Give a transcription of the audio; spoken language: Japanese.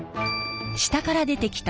下から出てきた